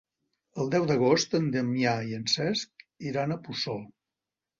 El deu d'agost en Damià i en Cesc iran a Puçol.